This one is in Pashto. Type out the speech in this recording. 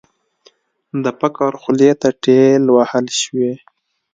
د فقر خولې ته ټېل وهل شوې.